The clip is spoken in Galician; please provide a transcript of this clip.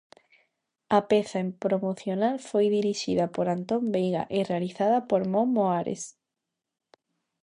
A peza promocional foi dirixida por Antón Veiga e realizada por Mon Moares.